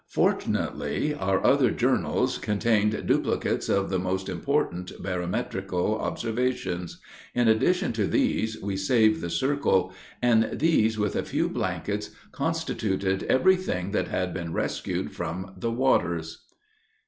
Fortunately, our other journals contained duplicates of the most important barometrical observations. In addition to these, we saved the circle; and these, with a few blankets, constituted every thing that had been rescued from the waters.